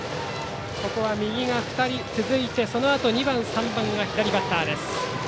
ここは右が２人続いてそのあと２番、３番が左バッター。